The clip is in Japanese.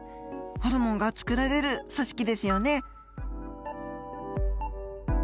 ホルモンがつくられる組織ですよね。